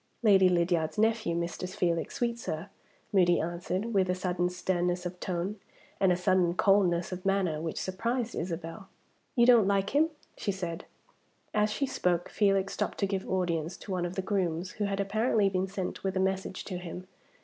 "Lady Lydiard's nephew, Mr. Felix Sweetsir," Moody answered, with a sudden sternness of tone, and a sudden coldness of manner, which surprised Isabel. "You don't like him?" she said. As she spoke, Felix stopped to give audience to one of the grooms, who had apparently been sent with a message to him.